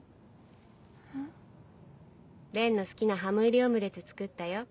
蓮の好きなハム入りオムレツ作ったよ。